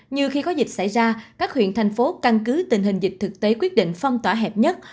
như khi có dịch xảy ra các huyện thành phố căn cứ tình hình dịch thực tế quyết định phong tỏa hẹp nhất